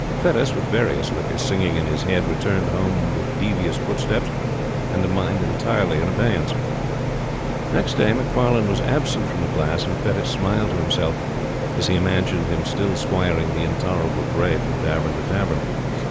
Fettes, with various liquors singing in his head, returned home with devious footsteps and a mind entirely in abeyance. Next day Macfarlane was absent from the class, and Fettes smiled to himself as he imagined him still squiring the intolerable Gray from tavern to tavern.